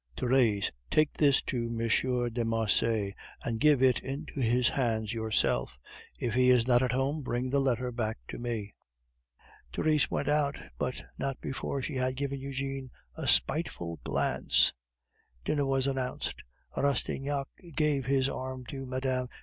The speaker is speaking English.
"Therese, take this to M. de Marsay, and give it into his hands yourself. If he is not at home, bring the letter back to me." Therese went, but not before she had given Eugene a spiteful glance. Dinner was announced. Rastignac gave his arm to Mme.